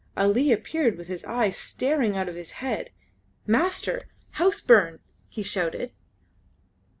Ali appeared with his eyes starting out of his head. "Master! House burn!" he shouted.